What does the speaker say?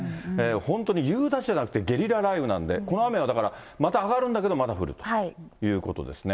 本当に夕立じゃなくてゲリラ雷雨なんで、この雨はだから、また上がるんだけど、また降るということですね。